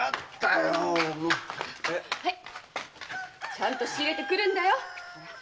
ちゃんと仕入れてくるんだよ！